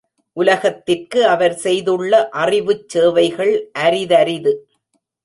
உலகத்திற்கு அவர் செய்துள்ள அறிவுச் சேவைகள் அரிதரிது!